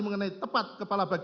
mengenai tepat kepala berteriak